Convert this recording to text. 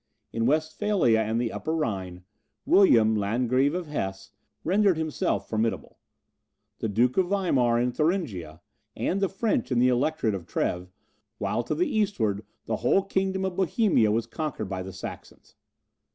In Westphalia and the Upper Rhine, William, Landgrave of Hesse, rendered himself formidable; the Duke of Weimar in Thuringia, and the French in the Electorate of Treves; while to the eastward the whole kingdom of Bohemia was conquered by the Saxons.